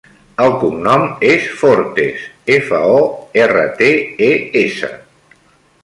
El cognom és Fortes: efa, o, erra, te, e, essa.